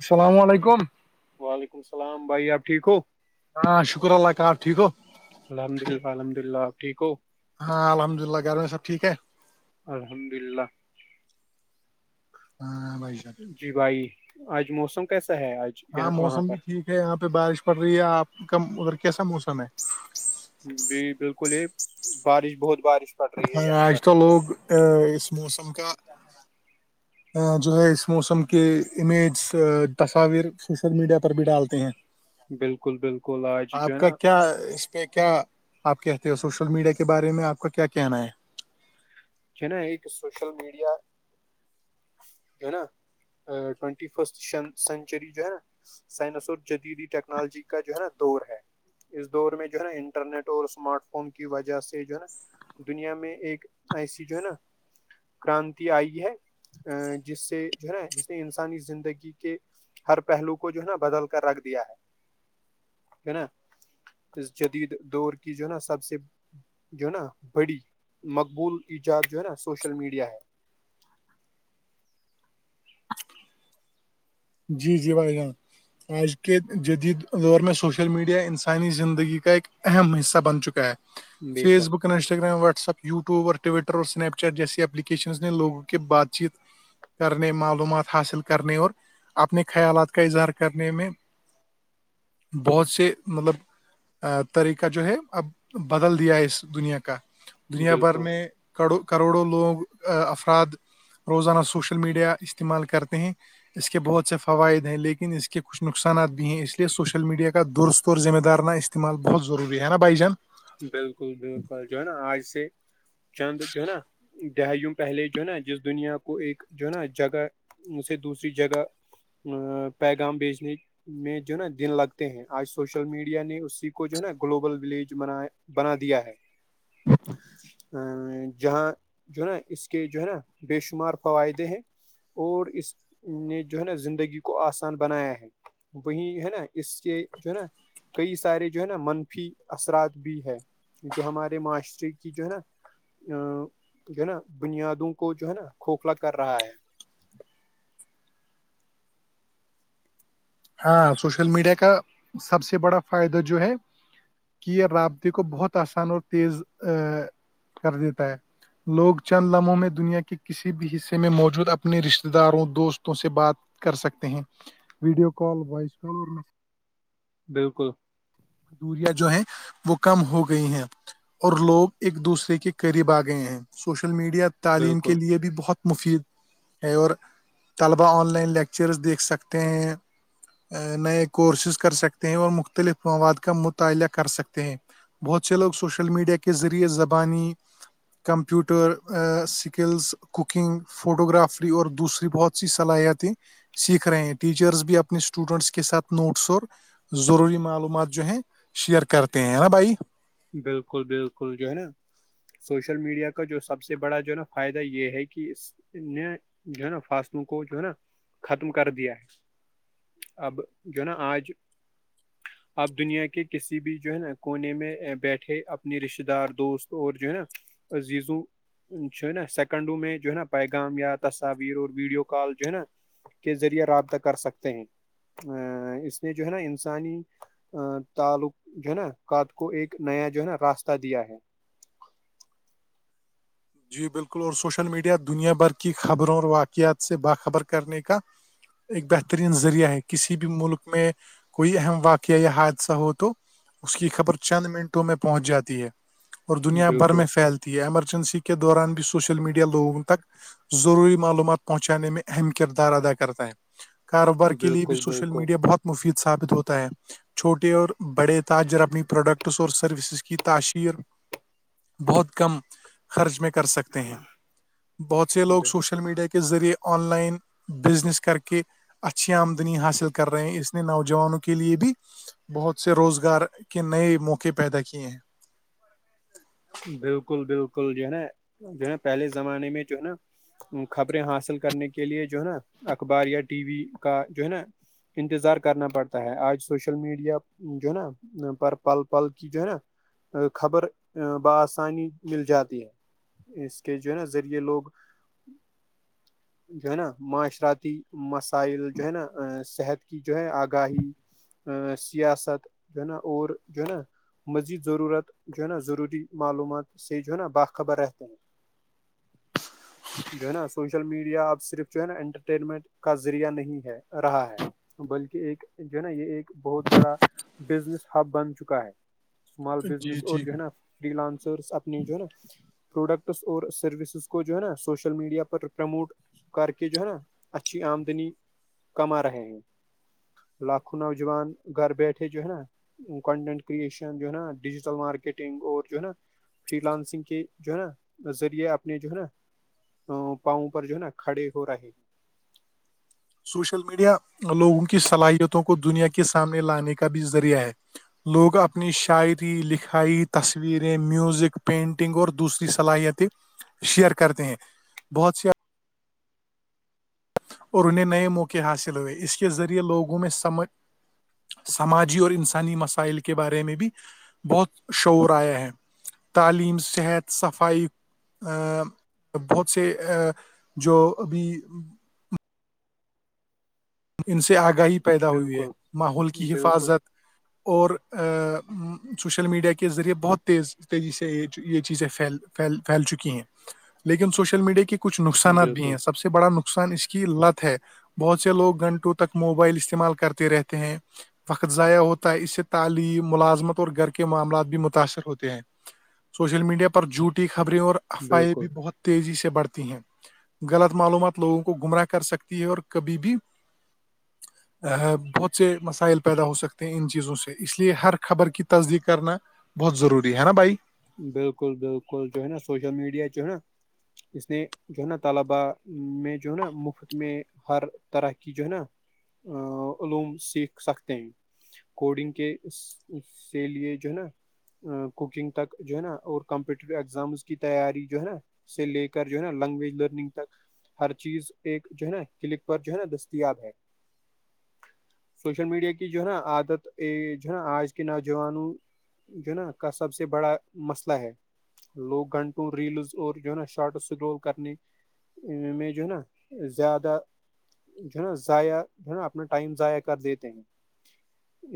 السلام علیکم وعلیکم السلام بھائی آپ ٹھیک ہو ہاں شکر اللہ کار ٹھیک کو ہو الحمد للہ الحمد للہ آ ٹیک ہو ہاں الحمد ل اللہ گھر میں سب ٹھیک ہے الحمد للہ ہاں بائی جی بھائی آج موسم کیسا ہے آج ہاں یہاں وہاں موسم پر بھی ٹھیک ہے یہاں پہ بارش پڑ رہی ہے آپ کا ادھر کیسا موسم ہے جی بالکل یہ بارش بہت بارش پڑ رہی ہے ہاں یہاں آج پر تو لوگ ا اس موسم کا جو ہے اس موسم کے امیج تصاویر سوشل میڈیا پر بھی ڈالتے ہیں بالکل بالکل آج جو آپ ہے کا نا کیا اس پہ کیا آپ کہتے ہو سوشل میڈیا کے بارے میں آپ کا کیا کہنا ہے ہے نا ایک سوشل میڈیا ہے نا ٹونٹی فسٹ سنچری جو ہے نا سائنس اور جدیدی ٹیکنالوجی کا جو ہے نا دور ہے اس دور میں جو ہے نا انٹرنیٹ اور اسمارٹ فون کی وجہ سے جو ہے نا دنیا میں ایک ایسی جو ہے نا کررانتی آئی ہے ا جس سے جو ہے نا جس نے انسانی زندگی کے ہر پہلو کو جو ہے نا بدل کر رکھ دیا ہے ہے نا اس جدید دور کی جو ہے نا سب سے جو ہے نا بڑی مقبول ایجاد جو ہے نا سوشل میڈیا ہے جی جی بھائی جان آج کے جدیید دوریں سوشل میڈیا انسانی زندگی کا اک اہم حصہ بن چکا ہے بے فیس شک بک انسٹاگرام واٹسپ وٹیوب ٹوٹر اور اسنیپ چیٹ جیسسی اپلیکیشن نے لوگوں کے بات چیت کرنے معلومات حاصل کرنے اور اپنے خیالات کا اظہار کرنے میں بہت سے مطلب ا طریقہ جو ہے اب بدل دیا ہے اس دنیا کا دنیا بھر بالکل میں کرو کروڑوں لوگ افراد روزانہ سوشل میڈیا استعمال کرتے ہیں اس کے بہت سے فوائد ہیں لیکن اس کے کچھ نقصانات بھی ہیں اس لیے سوشل میڈیا کا درستور ذمہ دار نہ اس استمال بہت ضوری ہے نا بھائی جان بالکل بالکل جو ہے نا آج سے چند جو ہے نا دہ وم پہلے جو ہے نا جس دنیا کو ایک جو ہے نا جگہ سے دوسری جگہ پیغام بیچنک میں جو ہے نا دن لگتے ہیں آج سوشل میڈیا نے اسی کو جو ہے نا گلوبل ولیج بنایا بنا دیا ہے ا جہاں جو ہے نا اس کے جو ہے نا بے شمار فوائدے ہیں اور اس نے جو ہے نا زندگی کو آسان بنایا ہے وہیں ہے نا اس سے جو ہے نا کئی سارے جو ہے نا منفی اثرات بھی ہے جو ہمارے معاشرے کی جو ہے نا ا جو ہے نا بنیادوں کو جو ہے نا کھوکھلا کر رہا ہے ہاں سوشل میڈیا کا سب سے بڑا فائدہ جو ہے کہ یہ رابطے کو بہت آسان اور تیز ا کر دیتا ہے لوگ چند لمحوں میں دنیا کے کسی بھی حصے میں موجود اپنے رشتتے داروں دوستوں سے بات کر سکتے ہیں ویڈیو کال وائس کال اور می بالکل دوریا جو ہے وہ کم ہو گئی ہیں اور لوگ ایک دوسرے کے قریب آ گئے ہیں سوشل میڈیا تعلیم کے بالکل لیے بھی بہت مفید ہے اور طلبا آن لائن لیکچرز دیکھ سکتے ہیں نئے کورسز کر سکتے ہیں اور مختلف مواد کا مطالعہ کر سکتے ہیں بہت سے لوگ سوشل میڈیا کے ذریعے زبانی computer skills cooking photography اور دوسری بہت سی صلاحیتیں سیکھ رہے ہیں ٹیچرس بھی اپ اپنے اسٹوڈینٹس کے ساتھ نوٹس اور ضروری معلومات جو ہیں شیئر کرتے ہیں نا بھائی بالکل بالکل جو ہے نا سوشل میڈیا کا جو سب سے بڑا جو ہے نا فائدہ یہ ہے کہ اس نے جو ہے نا فاصلوں کو جو ہے نا ختم کر دیا ہے اب جو ہے نا آج آپ دنیا کے کسی بھی جو ہے نا کونے میں بیٹھے اپنے رشتتے دار دوست اور جو ہے نا عزیزوں جو ہے نا سیکنڈوں میں جو ہے نا پیغام یا تصاویر اور ویڈیو کال جو ہے نا کے ذریعے رابطہ کر سکتے ہیں ا اس نے جو ہے نا انسانی تعلق جو ہے نا قات کو ایک نیا جو ہے نا راستہ دیا ہے جی بالکل اور سوشل میڈیا دنیا بھر کی خبروں اور واقعات سے باخبر کرنے کا ایک بہترین ذریعہ ہے کسی بھی ملک میں کوئی اہم واقعہ یا حادثہ ہو تو اس کی خبر چند منٹوں میں پہنچ جاتی ہے اور دنیا بھر بالکل میں پھیلتی ہے ایمرجنسی کی کے دوران بھی سوشل میڈیا لوگوں تک ضروری معلومات پہنچانے میں اہم کردار ادا کرتا ہے کاروبار کے لیے بھی بالکل سوشل بالکل میڈیا بہت مفید ثابت ہوتا ہے چھوٹے اور بڑے تاجر اپنی پروڈکٹس اور سروسز کی تاشیر بہت کم خرچ میں کر سکتے ہیں بہت سے لوگ بل- سوشل میڈیا کے کے ذریعے آن لائن بزنس کر کے اچھی آمدنی حاصل کر رہے ہیں اس نے نوجوانوں کے لیے بھی بہت سے روزگار کے نئے موقع پیدا کیے ہیں بالکل بالکل جو ہے نا جو ہے نا پہلے زمانے میں جو ہے نا خبریں حاصل کرنے کے لے جو ہے نا اخبار یا ٹی وی کا جو ہے نا انتظار کرنا پڑتا ہے آج سوشل میڈیا جو ہے نا پر پل پل کی جو ہے نا خبر بآسانی مل جاتی ہے اس کے جو ہے نا ذریعے لوگ [unintelligible] جو ہے نا معاشراتتی مسائل جو ہے نا صحت کی جو ہے آگاہی سیاست جو ہے نا اور جو ہے نا مزید ضرورت جو ہے نا ضروری معلومات سے جو ہے نا باخبر رہتے ہیں [unintelligible] جو ہے نا سوشل میڈیا اب صرف جو ہے نا انٹرٹینمنٹ کا ذریعہ نہیں ہے رہا ہے بلکہ ایک جو ہے نا یہ ایک بہت بڑا بزنس ہب بن چکا ہے اسمال بزنس جی اور جی جو ہے نا فری لانسرس اپنے جو ہے نا پروڈکٹس اور سروسز کو جو ہے نا سوشل میڈیا پر پرموٹ کر کے جو ہے نا اچھی آمدنی کما رہے ہیں لاکھوں نوجوان گھر بیٹھے جو ہے نا کنٹینٹ کریشن جو ہے نا ڈیجیٹل مارکیٹنگ اور جو ہے نا فری لانسنگ کے جو ہے نا ذریعے اپنے جو ہے نا ا پاؤں پر جو ہے نا کھڑے ہو رہے سوشل میڈیا لوگوں کی صلاحیتوں کو دنیا کے سامنے لانے کا بھی ذریعہ ہے لوگ اپنی شاعری لکھائی تصویریں میوزک پینٹنگ اور دوسری صلاحیتیں شیئر کرتے ہیں بہت سی آ اور انہیں نئے موقع حاصل ہوئے اس کے ذریعے لوگوں میں سمجھ سماجی اور انسانی مسائل کے بارے میں بھی بہت شعور آیا ہے تعلیم صحت صفائی ا بہت سے ا جو ابھی ان سے آگاہی پیدا ہوئی ہے بالکل ماحول کی بالکل حفاظت اور سوشل میڈیا کے ذریعے بہت تیز تیزی سے یہ چیزیں پھیھیل پھیل چکی ہیں لیکن سوشل میڈیا کے کچھ نقصانات بھی بالکل ہیں سب سے بڑا نقصان اس کی لت ہے بہت سے لوگ گھنٹوں تک موبائل استعمال کرتے رہتے ہیں وقت ضائع ہوتا ہے اس سے تعلیم ملازمت اور گھر کے معاملات بھی متاثر ہوتے ہیں سوشل میڈیا پر جھوٹی خبریں اور اف آئی بالکل بھی بہت تیزی سے بڑھتی ہیں غلط معلومات لوگوں کو گمراہ کر سکتی ہے اور کبھی بھی بہت سے مسائل پیدا ہو سکتے ہیں ان چیزوں سے اس لیے ہر خبر کی تصدیق کرنا بہت ضروری ہے نا بھائی بالکل بالکل جو ہے نا سوشل میڈیا جو ہے نا اس نے جو ہے نا طلباء میں جو ہے نا مفت میں ہر طرح کی جو ہے نا ا علوم سیکھ سکتے ہیں کوڈنگ کے سے لیے جو ہے نا کوکنگ تک جو ہے نا اور کمپیٹیٹیو ایگزامز کی تیاری جو ہے نا سے لے کر جو ہے نا لینگویج لرننگ تک ہر چیز ایک جو ہے نا کلک پر جو ہے نا دستیاب ہے سوشل میڈیا کی جو ہے نا عادت جو ہے نا آج کے نوجوانوں جنا کا سب سے بڑا مسئلہ ہے لوگ گھنٹوں ریلز اور جو ہے نا شارٹ سکرول کرنے میج نا زیادہ جو ہے نا ضائع جو ہے نا اپنا ٹائم ضائع کر دیتے ہیں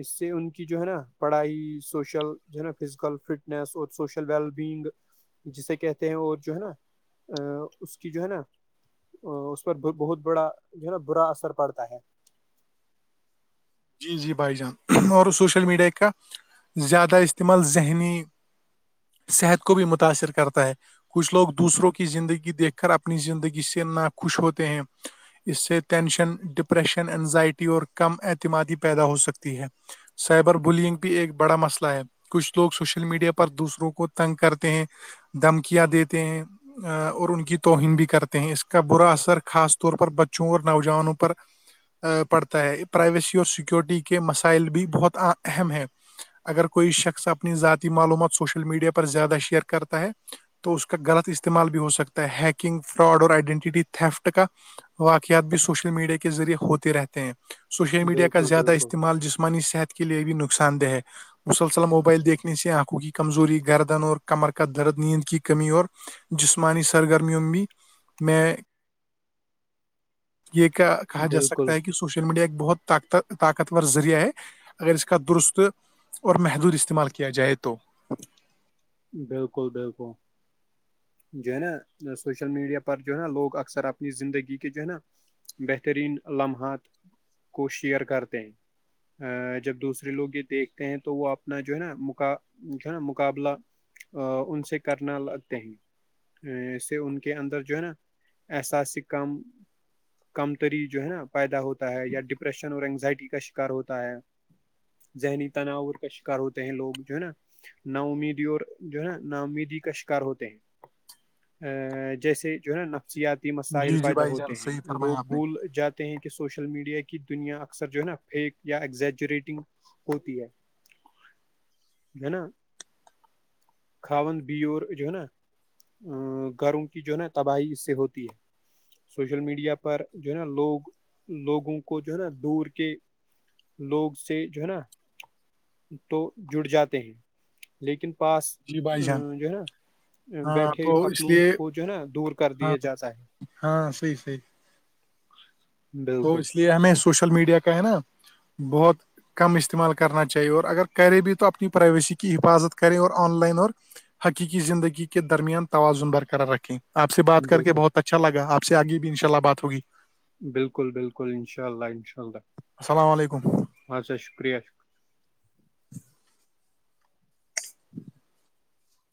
اس سے ان کی جو ہے نا پڑھائی سوشل جو ہے نا فزیکل فٹ اور سوشل ویل بینگ جسے کہتے ہیں اور جو ہے نا اس کی جو ہے نا اس پر بہت بڑا جو ہے نا برا اثر پڑتا ہے جی جی بھائی جان اور سوشل میڈیا کا زیادہ استعمال ذہنی صحت کو بھی متاثر کرتا ہے کچھ لوگ دوسروں کی زندگی دیکھ کر اپنی زندگی سے نا خوش ہوتے ہیں اس سے ٹینشن ڈپریشن انینزائٹی اور کم اعتمادی پیدا ہو سکتی ہے سائبر بلینگ بھی ایک بڑا مسئلہ ہے کچھ لوگ سوشل میڈیا پر دوسروں کو تنگ کرتے ہیں دھمکیاں دیتے ہیں اور ان کی توہین بھی کرتے ہیں اس کا برا اثر خاص طور پر بچوں اور نوجوانوں پر پڑتا ہے پرائیویسی اور سیکورٹی کے مسائل بھی بہت اہم ہیں اگر کوئی شخص اپنی ذاتی معلومات سوشل میڈیا پر زیادہ شیئر کرتا ہے تو اس کا غلط استعمال بھی ہو سکتا ہے ہیکنگ فراڈ اور آئیڈینٹیٹیفٹ کا واقعات بھی سوشل میڈیا کے ذریعے ہوتے رہتے ہیں سوشل میڈیا کا بالکل زیادہ بالکل استعمال ال جسمانی صحت کے لیے بھی نقصان دہ ہے مسلسلم موبائل دیکھنے سے آنکھوں کی کمزوری گردن اور کمر کا درد نیند کی کمی اور جسمانی سرگرمیوںوں بھی میں یہ کا کہا جا بالکل سکتا ہے کہ سوشل میڈیا ایک بہت طاقتت طاقتور ذریعہ ہے اگر اس کا درست اور محدود استعمال کیا جائے تو بالکل بالکل جو ہے نا سوشل میڈیا پر جو ہے نا لوگ اکثر اپنی زندگی کے جو ہے نا بہترین لمحات کو شیئر کرتے ہیں ا جب دوسرے لوگ یہ دیکھتے ہیں تو وہ اپنا جو ہے نا م جو نا مقابلہ ا ان سے کرنا لگتے ہیں ے ان کے اندر جو ہے نا احساس سے کم کم تری جو ہے نا پیدا ہوتا ہے یا ڈپریشن اور انینگزائٹی کا شکار ہوتا ہے ذہنی تناؤور کا شکار ہوتے ہیں لوگ جو ہے نا نا امیدی اور جو ہے نا نامدی کا شکار ہوتے ہیں ا جیسے جو ہے نا ن ن سیاتی مسائل جی جی پیدا بھائی جان ہوتے ہیں صحیح لوگ فرمایا آپ نے بھول جات ہیں کہ سوشل میڈیا کی دنیا اکثر جو ہے نا فیک یا ایزجرییٹنگ ہوتی ہے ہے نا کھاند بیور جو ہے نا گروں کی جو ہے نا تباہی اس سے ہوتی ہے سوشل میڈیا پر جو ہے نا لوگ لوگوں کو جو ہے نا دور کے لوگ سے جو ہے نا تو جڑ جاتے ہیں لیکن پاس جی بھائی جان ا جو ہے نا ہاں بیٹھے تو اس اپنوں لیے کو جو ہے نا دور کر ہاں دیا جاتا ہے ہاں صحیح صحیح تو بالکل اس لیے ہمیں سوشل میڈیا کا ہے نا بہت کم استعمال کرنا چاہیے اور اگر کریں بھی تو اپنی پرائیویسی کی حفاظت کریں اور آن لائن اور حقیقی زندگی کے درمیان توازن برقرار رکھیں آپ سے بات کر کے بالکل بہت اچھا لگا آپ سے آگے بھی ان شاء اللہ بات ہوگی بالکل بالکل انشاء اللہ انشاء اللہ السلام علیکم اہ سا شکریہ ش چچ